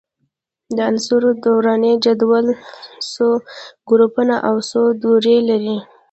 د عنصرونو دوراني جدول څو ګروپونه او څو دورې لري؟